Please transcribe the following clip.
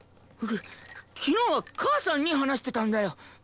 き昨日は母さんに話してたんだよ！